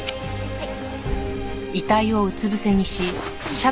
はい。